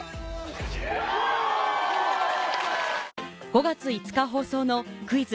５月５日放送の『クイズ！